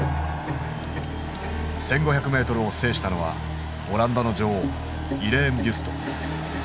１，５００ｍを制したのはオランダの女王イレーン・ビュスト。